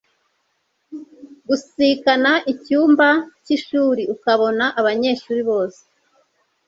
gusikana icyumba cy'ishuri ukabona abanyeshuri bose